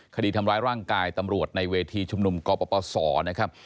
คดีทำร้ายร่างกายตำรวจในเวทีชุมนุมกปศนะครับ